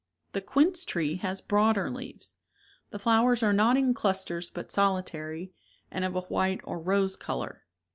The quince tree has broader leaves; the flow ers are not in clusters but solitary, and of a white or rose color.